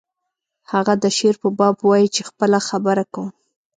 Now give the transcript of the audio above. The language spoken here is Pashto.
هغه د شعر په باب وایی چې خپله خبره کوم